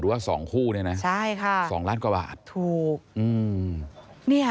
ว่าสองคู่เนี่ยนะใช่ค่ะสองล้านกว่าบาทถูกอืมเนี่ย